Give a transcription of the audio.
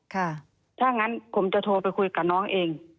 ถ้างั้นผมจะโทรไปคุยกับน้องเอง